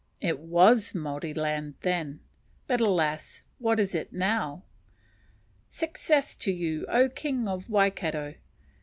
It was Maori land then; but, alas! what is it now? Success to you, O King of Waikato.